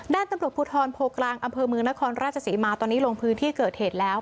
ด้านตำรวจพธพลกรางอมืนครราชสิมาตอนนี้ลงพื้นที่เกิดเหตุแล้ว